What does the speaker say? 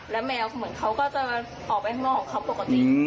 แล้วแมวเหมือนเขาก็จะออกไปข้างนอกของเขาปกติ